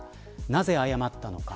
なぜ謝ったのか。